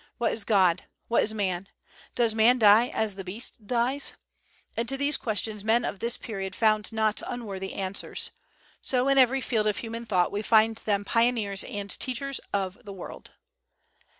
What is God? What is man? Does man die as the beast dies? And to these questions the men of this period found not unworthy answers. So in every field of human thought we find them pioneers and teachers of the world.